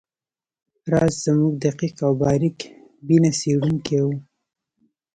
راز زموږ دقیق او باریک بینه څیړونکی وو